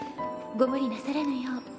ご無理なさらぬよう」